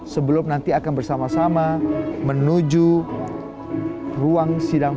sebelum nanti akan bersama sama menuju ruang sidang